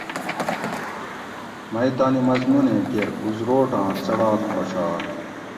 مئ تانی مضمون ایں کیر اُزروٹاں څڑاک خوشات